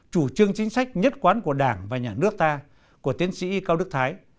chủ trương chính sách nhất quán của đảng và nhà nước ta của tiến sĩ cao đức thái